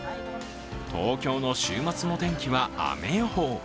東京の週末の天気は雨予報。